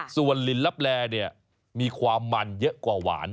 ส่วนลินลับแลมีความมันเยอะกว่าหวาน